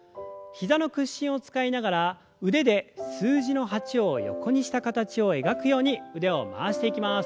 膝の屈伸を使いながら腕で数字の８を横にした形を描くように腕を回していきます。